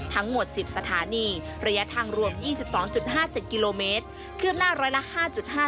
ทั้งหมด๑๐สถานีระยะทางรวม๒๒๕๗กิโลเมตรคืบหน้าร้อยละ๕๕